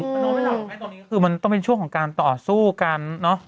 ตอนเนี้ยคือมันต้องเป็นช่วงของการต่อสู้กันเนอะ